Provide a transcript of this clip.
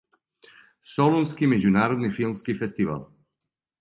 Солунски међународни филмски фестивал.